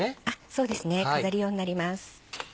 そうですね飾り用になります。